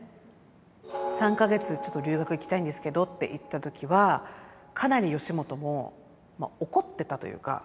３か月ちょっと留学行きたいんですけどって言った時はかなり吉本も怒ってたというか。